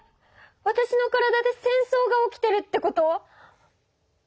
わたしの体で戦争が起きてるってこと？